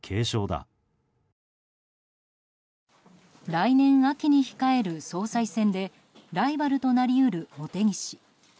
来年秋に控える総裁選でライバルとなり得る茂木氏。